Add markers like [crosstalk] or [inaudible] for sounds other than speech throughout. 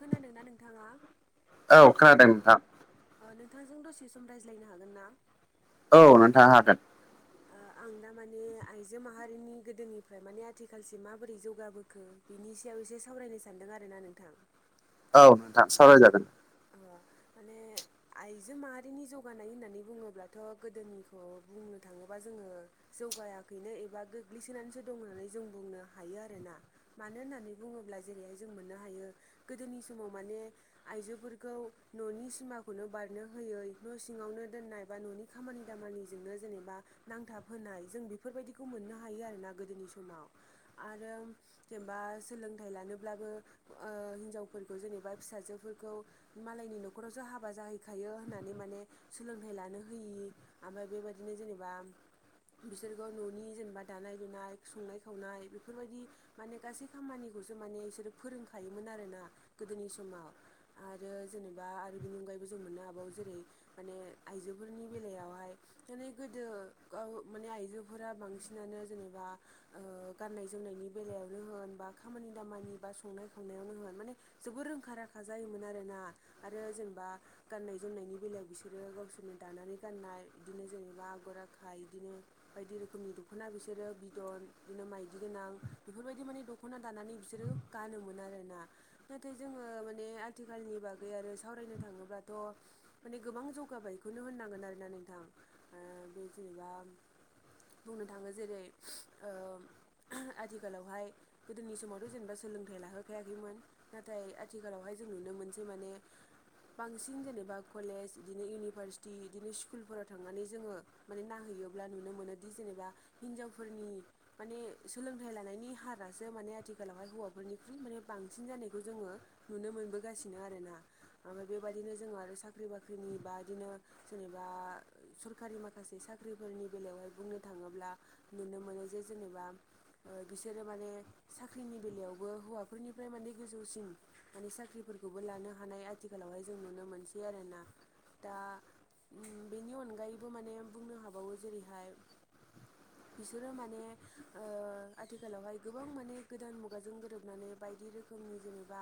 खोनादोंना नोंथाङा औ खोनादों नोंथां नोंथांजों दसे सम रायज्लायनो हागोन ना? औ नोंथाङा दा हादों आं दा माने आइजो माहारिनि गोदोनिफ्राय माने आथिखालसिम माबोरै जौगाबोखो बिनि सायाव एसे सावरायनो सानदों आरो ना नोंथां औ नोंथां साबराय जागोन। माने आइजो माहारिनि जौगानाय होननानै बुङोब्लाथ' गोदोनिखौ औ बुंनो थाङोबा जोङो जौगायाखैनो एबा गोग्लैसोनानैसो दं होननानै जों बुंनो हायो आरोना। मानो होननानै बुङोब्ला जेरैहाय जों मोननो हायो गोदोनि समाव माने आइजोफोरखौ न'नि सिमाखौनो बारनो होयै न' सिङावनो दोननाय बा न'नि खामानि दामानिजोंनो जेनेबा नांथाब होनाय जों बेफोरबायदिखौ मोननो हायो आरोना गोदोनि समाव। आरो जेनेबा सोलोंथाइ लानोब्लाबो ओ हिनजावफोरखौ जेनेबा फिसाजोफोरखौ मालायनि न'खरावसो हाबा जाहैखायो होननानै माने सोलोंथाइ लानो होयि ओमफ्राय बेबायदिनो जेनेबा बिसोरखौ न'नि जेनेबा दानाय लुनाय संनाय खावनाय बेफोरबायदि माने गासै खामानिखौसो माने बिसोरो फोरोंखायोमोन आरोना गोदोनि समाव आरो जेनेबा आरो बेनि अनगायैबो जों मोननो हाबावो जेरै माने आइजोफोरनि बेलायावहाय माने गोदो माने आइजोफोरा बांसिनानो जेनेबा ओ गाननाय जोमनायनि बेलायावनो होन बा खामानि दामानि बा संनाय खावनायावनो होन माने जोबोर रोंखा राखा जायोमोन आरोना आरो जेनेबा गाननाय जोमनायनि बेलायाव बिसोरो गावसोरनो दानानै गाननाय बिदिनो जेनेबा आगर आखाय बिदिनो बायदि रोखोमनि दख'ना बिसोरो बिदन बिदिनो माइदि गोनां बेफोरबायदि माने दख'ना दानानै बिसोरो गानोमोन आरोना नाथाय जोङो माने आथिखालनि बागै आरो सावरायनो थाङोब्लाथ' माने गोबां जौगाबायखौनो होननांगोन आरो ना नोंथां ओ बे जेनेबा बुंनो थाङो जेरै आथिखालावहाय गोदोनि समावथ' जेनेबा सोलोंथाइ लाहोखायाखैमोन नाथाय आथिखालावहाय जों नुनो मोनसै माने बांसिन जेनेबा कलेज इदिनो इउनिभारसिटि बिदिनो स्कुल फोराव थांनानै जोङो माने नायहैयोब्ला नुनो मोनोदि जेनेबा हिनजावफोरनि माने सोलोंथाइ लानायनि हारासो माने आथिखालावहाय हौवाफोरनिख्रुइ माने बांसिन जानायखौ जोङो नुनो मोनबोगासिनो आरोना ओमफ्राय बेबायाददिनो जोङो आरो साख्रि बाख्रिनि बा बिदिनो जेनेबा सरखारि माखासे साख्रिफोरनि बेलायावहाय बुंनो थाङोब्ला नुनो मोनो जे जेनेबा बिसोरो माने साख्रिनि बेलायावबो हौवाफोरनिफ्राय माने गोजौसिन माने साख्रिफोरखौबो लानो हानाय आथिखालावहाय जों नुनो मोनसै आरोना दा उम बेनि अनगायैबो माने बुंनो हाबावो जेरैहाय बिसोरो माने ओ आथिखालावहाय गोबां माने गोदान मुगाजों गोरोबनानै बायदि रोखोमनि जेनेबा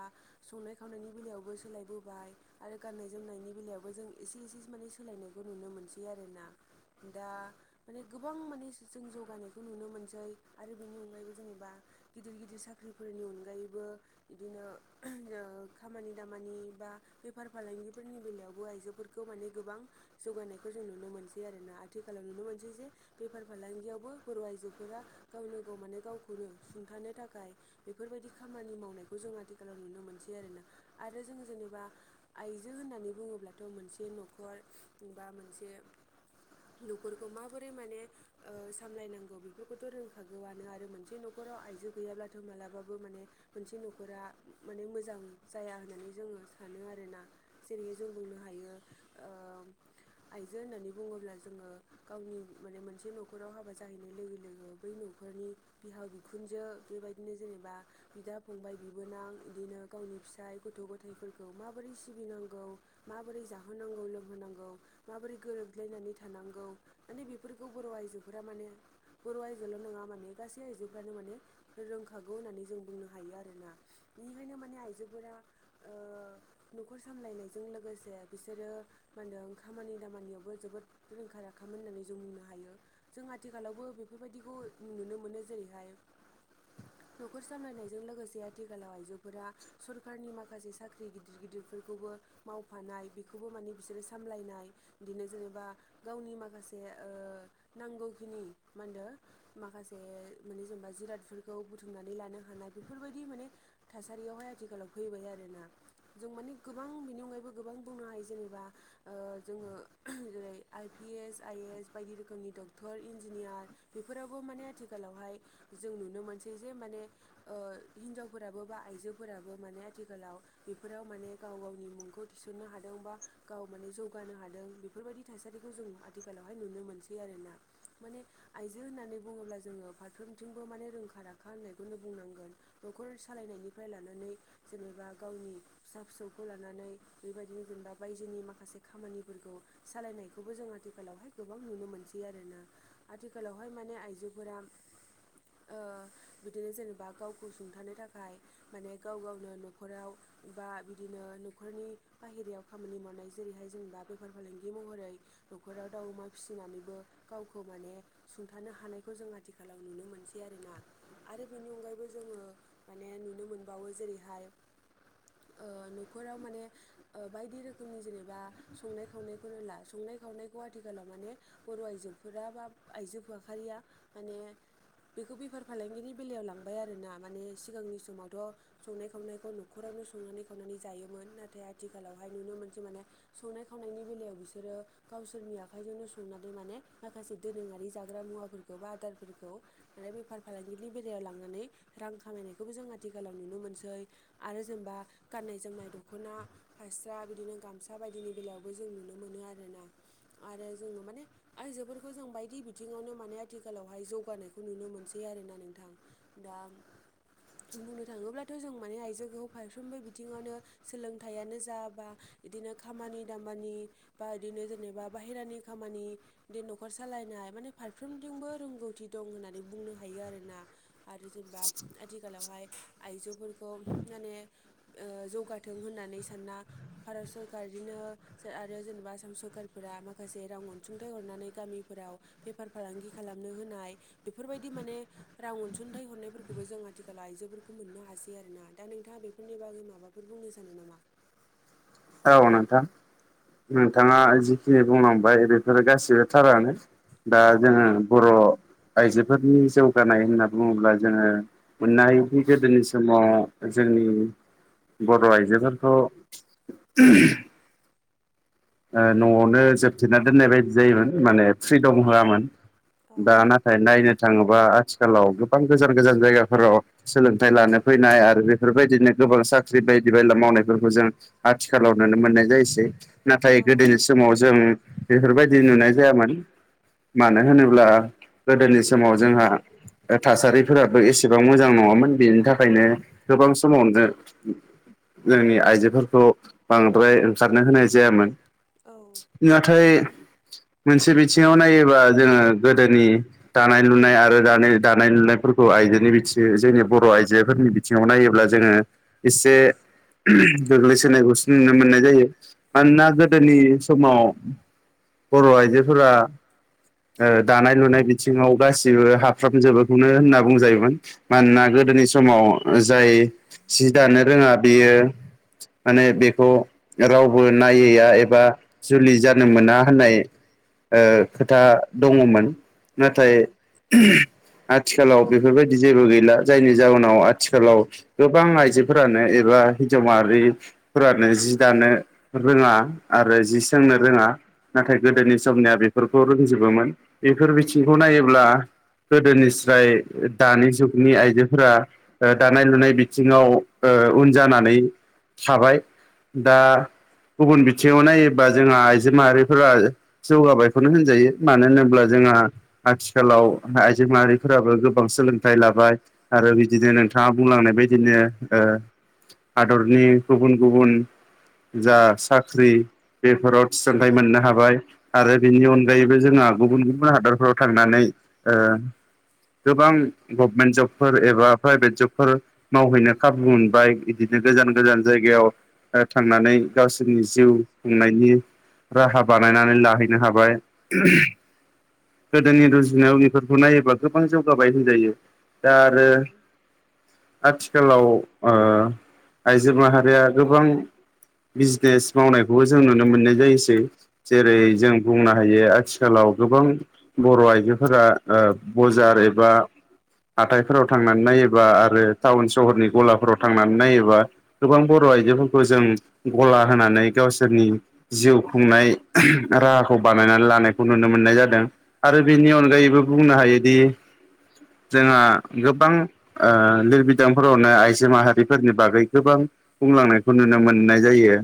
संनाय खावनायनि बेलायावबो सोलायबोबाय आरो गाननाय जोमनायनि बेलायावबो जों एसे एसे माने सोलायनायखौ नुनो मोनसै आरोना दा माने गोबां माने जों जौगानायखौ नुनो मोनसै आरो बेनि अनगायैबो जेनेबा गिदिर गिदिर साख्रिफोरनि अनगायैबो बिदिनो खामानि दामानि बा बेफार फालांगिफोरनि बेलायावबो आइजोफोर- -खौ माने गोबां जौगानायखौ जों नुनो मोनसै आरोना आथिखालाव नुनो मोनसै जे बेफार फालांगियावबो बर' आइजोफोरा गावनो गाव माने गावखौनो सुंथानो थाखाय बेफोरबायदि खामानि मावनायखौ जों आथिखालाव नुनो मोनसै आरोना आरो जों जेनेबा आइजो होननानै बुङोब्लाथ' मोनसे न'खर बा मोनसे न'खरखौ माबोरै माने ओ सामलायनांगौ बेफोरखौथ' रोंखागौआनो आरो मोनसे न'खराव आइजो गैयाब्लाथ' मालाबाबो माने मोनसे न'खरा माने मोजां जाया होननानै जोङो सानो आरोना जेरैहाय जों बुंनो हायो आइजो होननानै बुङोब्ला जोङो गावनि माने मोनसे न'खराव हाबा जाहैनाय लोगो लोगो बै न'खरनि बिहाव बिखुनजो बेबायदिनो जेनेबा बिदा फंबाय बिबोनां बिदिनो गावनि फिसाय गथ' गथायाइफोरखौ माबोरै सिबिनांगौ माबोरै जाहोनांगौ लोंहोनांगौ माबोरै गोरोबलायनानै थानांगौ माने बेफोरखौ बर' आइजोफोरा माने बर' आयजोल' नङा माने गासै आइजोफ्रानो माने रोंखागौ होननानै जों बुंनो हायो आरोना बेनिखायनो माने आयजोफोरा न'खर सामलायनायजों लोगोसे बिसोरो मा होनदों खामानि दामानियावबो जोबोद रोंखा राखामोन होननानै जों बुंनो हायो जों आथिखालावबो बेफोरबायदिखौ नुनो मोनो जेरैहाय न'खर सामलायनायजों लोगोसे आथिखालाव आइजोफोरा सरखारारनि माखासे साख्रि गिदिर गिदिरफोरखौबो मावफानाय बेखौबो माने बिसोरो सामलायनाय बिदिनो जेनेबा गावनि माखासे नांगौखिनि मानदो माखासे माने जेनेबा जिरादफोरखौ बुथुमनानै लानो हानाय बेफोरबायदि माने थासारियावहाय आथिखालाव फैबाय आरोना जों माने गोबां बिनि अनगायैबो गोबां बुंनो हायो जेनेबा जोङो जेरै I P S I A S बायदि रोखोमनि डक्टर इन्जिनियार बेफोरावबो माने आथिखालावहाय जों नुनो मोनसै जे माने हिनजावफोराबो बा आइजोफोराबो माने आथिखालाव बेफोराव माने गाव गावनि मुंखौ थिसननो हादोंबा गाव माने जौगानो हादों बेफोरबायदि थासारिखौ जों आथिखालावहाय नुनो मोनसै आरो ना माने आइजो होननानै बुङोब्ला जोङो फारफ्रोमथिंबो माने रोंखा राखा होननायखौनो बुंनांगोन न'खर सालायनायनिफ्राय लानानै जेनेबा गावनि फिसा फिसौखौ लानानै बेबायदिनो जेनेबा बायजोनि माखासे माखासे खामानिफोरखौ सालायनायखौबो जों आथिखालावहाय गोबां नुनो मोनसै आरोना आथिखालावहाय माने आइजोफोरा बिदिनो जेनेबा गावखौ सुंथानो थाखाय माने गाव गावनो न'खराव बा बिदिनो न'खरनि बाहेरायाव खामानि मावनाय जेरैहाय जेनेबा बेफार फालांगि महरै न'खराव दाउ अमा फिसिनानैबो गावखौ माने सुंथानो हानायखौ जों आथिखालाव नुनो मोनसै आरोना आरो बेनि अनगायैबो जोङो माने नुनो मोनबावो जेरैहाय न'खराव माने बायदि रोखोमनि जेनेबा बा संनाय खावनायखौनो ला संनाय खावनायखौ आथिखालाव माने बर' आइजोफोरा बा आइजो फाखारिया माने बेखौ बेफार फालांगिनि बेलायाव लांबाय आरोना माने सिगांनि समावथ' संनाय खावनायखौ न'खरावनो संनानै खावनानै जायोमोन नाथाय आथिखालावहाय नुनो मोनसो माने संनाय खावनायनि बेलायाव बिसोरो गावसोरनि आखाइजोंनो संनानै माने माखासे दोरोङारि जाग्रा मुवाफोरखौ बा आदारफोरखौ माने बेफार फालांगिनि बेलायाव लांनानै रां खामायनायखौबो जों आथिखालाव नुनो मोनसै आरो जेनेबा गाननाय जोमनाय दख'ना फायस्रा बिदिनो गामसा बायदिनि बेलायावबो जों नुनो मोनो आर ना आरो जोङो माने आइजोफोरखौ जों बायदि बिथिङावनो माने आथिखालावहाय जौगानायखौ नुनो मोनसै आरोना नोंथां दा बुंनो थाङोब्लाथ' जों माने आइजोखौ फारफ्रोमबो बिथिङावनो सोलोंथाइयानो जा बा इदिनो खामानि दामानि बा बिदिनो जेनेबा बाहेरानि खामानि द न'खर सालायनाय माने फारफ्रोमथिबो रोंगौथि दं होननानै बुंनो हायो आरोना आरो जेनेबा आथिखालावहाय आइजोफोरफोरखौ खौ माने जौगाथों होननानै सानना भारत सरकार गजनो आरो जेनेबा आसाम सरखारफोरा माखासे रां अनसुंथाइ हरनानै गामिफोराव बेेफार फालांगि खालामनो होनाय बेफोरबायदि माने राव अनसुंथाइ हरनायफोरखौबो जों आथिखाल आइजोफोरखौ मोननो हासै आरोना दा नोंथाङा बेफोरनि बागै माबा बेफोर बुंनो सानो नामा थाव नोंथां नोंथाङा जिखिनि बुंलांबाय बेफोरो गासिबो थारानो दा जोङो बर' आइजोफोरनि जौगानाय होनना बुङोब्ला जोङो मोननो हायोदि गोदोनि समाव जोंनि बर' आइजोफोरखौ [inaudible] न'आवनो जोबथेना दोननाय बायदि जायोमोन माने फ्रि दं होआमोन दा नाथाय नायनो थाङोबा आथिखालाव गोबां गोजान गोजान जायगाफोराव सोलोंथाइ लानो फैनाय आरो बेफोरबायदिनो गोबां साख्रि बायदि बायला मावनायफोरखौ जों आथिखालाव नुनो मोननाय जायोसै नाथाय गोदोनि समाव जों बेफोरबायदि दि नुनाय जायामोन मानो होनोब्ला गोदोनि समाव जोंहा थासारिफोराबो एसेबां मोजां नङामोन बेनि थाखायनो गोबां समावनो जोंनि आइजोफोरखौ बांद्राय ओंखारनो होनाय जायामोन। औ मोनसे बिथिङाव नायोबा जोङो गोदोनि दानाय लुनाय आरो दानाय दानाय लुनायफोरखौ आइजोनि बिथियो जोंनि बर' आइजोफोरनि बि थिङाव नायोब्ला जोङो एसे गोग्लैसोनायखौसो नुनो मोननाय जायो। मानोना गोदोनि समाव बर' आइजोफोरा दानाय लुनाय बिथिङाव गासिबो हाफ्रामजोबोखौनो होनना बुंजायोमोन। मानोना गोदोनि समाव जाय सि दानो रोङा बियो माने बेखौ राव बो नायैया एबा जुलि जानो मोना होननाय खोथा दङमोन नाथाय आथिखालाव बेफोरबायदि जेबो गैला जायनि जाहोनाव आथिखालाव गोबां आइजोफोरानो एबा हिन्जाव माहारिफोरानो जि दानो रोङा आरो जि सोंनो रोङा नाथाय गोदोनि समनिया बेफोरखौ रोंजोबोमोन। बेफोर बिथिंखौ नायोब्ला गोदोनिस्राय दानि जुगनि आइजोफोरा दानाय लुनाय बिथिङाव उन जानानै थाबाय। दा गुबुन बिथिङाव नायोब्ला जोंहा आइजो माहारिफोरा जौगाबायखौनो होनजायो मानो होनोब्ला जोंहा आथिखालाव आइजें माहारिफोराबो गोबां सोलोंथाइ लाबाय आरो बिदिनो नों थाङा बुंलांनाय बायदिनो हादरनि गुबुन गुबुन जा साख्रि बेफोराव थिसनथाइ मोननो हाबाय आरो बेनि अनगायैबो जोंहा गुबुन गुबुन हादरफोराव [inaudible] गोबां गभमेन्ट जबफोर एबा प्राइभेट जबफोर मावहैनो खाबु मोनबाय बिदि गोजान गोजान जायगायाव थांनानै गाव सोरनि जिउ खुंनायनि राहा बानायनानै लाहैनो हाबाय। गोदोनि रुजुनायावनिफोरखौ नायोबा गोबां जौगाबाय होनजायो दा आरो आथिखालाव आइजो माहारिया गोबां बिजनेस मावनायखौबो जों नुनो मोननाय जायो जेरै जों बुंनो हायो आथिखालाव गोबां बर' आइजोफोरा बजार एबा हाथायफोराव थांनानै नायोबा आरो टाउन सहरनि गलाफोराव थांनानै नायोबा गोबां बर' आइजोफोरखौ जों गला होनानै गावसोरनि जिउ खुंनाय राहाखौ बानायनानै लानायखौ नुनो मोननाय जादों। आरो बेनि अनगायैबो बुंनो हायोदि जोंहा गोबां लिरबिदांफोरावनो आइजो माहारिफोरनि बागै गोबां बुंलांनायखौ नुनो मोननाय जायो।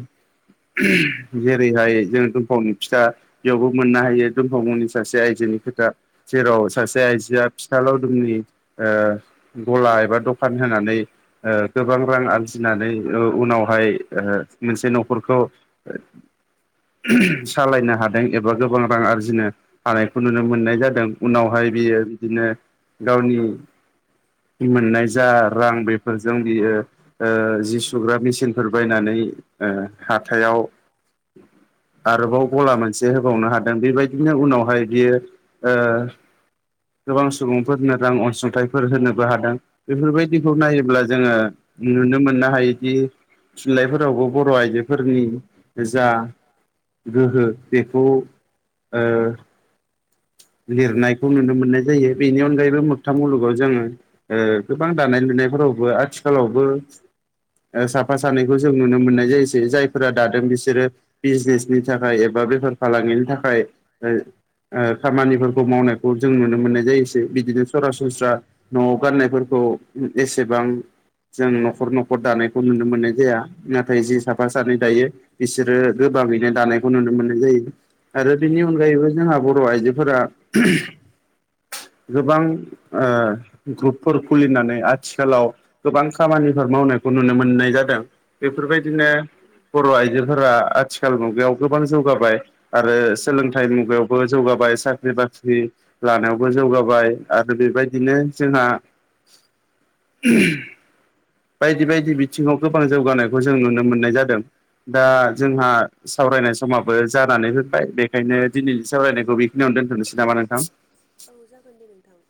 जेरैहाय जोंङ दंफावनि फिथा बेयावबो मोननो हायो दुमफाव मुंनि सासे आयजोनि खोथा। जेराव सासे आइजोआ फिथा लावदुमनि गला एबा दखान होनानै गोबां रां आरजिनानै उनावहाय मोनसे न'खरखौ सालायनो हादों एबा गोबां रां आरजिनो हानायखौ नुनो मोननाय जादों उनावहाय बियो बिदिनो गावनि मोननाय जा रां बेफोरजों बियो ओ जि सुग्रा मेचिनफोर बायनानै हाथायाव आरोबाव गला मोनसे होबावनो हादों बेबायदिनो उनावहाय बियो ओ गोबां सुबुंफोरनो रां अनसुंथाइफोर होनोबो हादों। बेफोरबायदिखौ नायोब्ला जोङो नुनो मोननो हायोदि थुनलाइफोरावबो बर' आइजो फोरनि जा गोहो बेखौ ओ लिरनायखौ नुनो मोननाय जायो बेनि अनगायैबो मोगथां मुलुगाव जोङो गोबां दानाय लुनायफोरावबो आथिखालावबो साफा सानैखौ जों नुनो मोननाय जायोसै जायफोरा दादों बिसोरो बिजनेसनि थाखाय एबा बेफार फालांगिनि थाखाय ओ ओ खामानिफोरखौ मावनायखौ जों नुनो मोननाय जायोसो बिदिनो सरासनस्रा न'आव गाननायफोरखौ एसेबां जों न'खर न'खर दानाय खौ नुनो मोननाय जाया नाथाय जि साफा सानै दायो बिसोरो गोबाङैनो दानायखौ नुनो मोननाय जायो आरो बिनि अनगायैबो जोंहा बर' आइजोफोरा [unintelligible] गोबां ओ ग्रुपफोर खुलिनानै आथिखालाव गोबां खामानिफोर मावनायखौ नुनो मोननाय जादों बेफोरबायदिनो बर' आइजोफोरा आथिखाल मुगायाव गोबां जौगाबाय आरो सोलोंथाइ मुगायाव बो जौगाबाय साख्रि बाख्रि लानायावबो जौगाबाय आरो बेबायदिनो जोंहा [unintelligible] बायदि बायदि बिथिङाव गोबां जौगानाय खौ जों नुनो मोननाय जादों दा जोंहा सावरायनाय समाबो जानानै फैबाय बे ओंखायनो दिनैनि सावरायनायखौ बेखिनिनो दोनथ'नोसै नामा नोंथां? औ जागोन दे नोंथां।